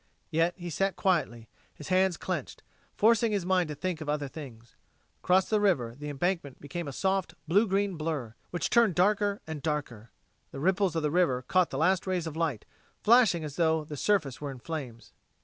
Yet he sat quietly, his hands clenched, forcing his mind to think of other things. Across the river, the embankment became a soft blue green blur, which turned darker and darker. The ripples of the river caught the last rays of light, flashing as though the surface were in flames.